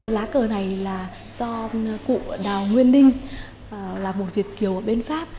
lá cờ này là do cụ đào nguyên ninh là một việt kiều ở bên pháp